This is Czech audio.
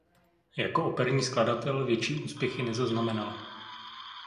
Jako operní skladatel větší úspěchy nezaznamenal.